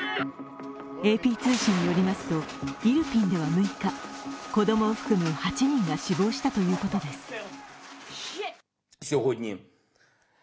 ＡＰ通信によりますと、イルピンでは６日、子供を含む８人が死亡したということです。